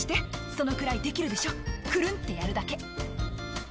「そのくらいできるでしょクルンってやるだけ」